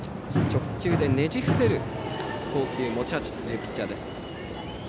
直球でねじ伏せる投球が持ち味というピッチャー。